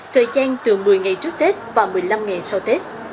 thời gian từ một mươi ngày trước tết và một mươi năm ngày sau tết